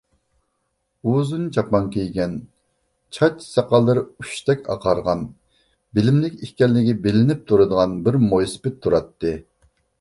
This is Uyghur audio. ئۇزۇن چاپان كىيگەن، چاچ-ساقاللىرى ئۇچتەك ئاقارغان، بىلىملىك ئىكەنلىكى بىلىنىپ تۇرىدىغان بىر مويسىپىت تۇراتتى.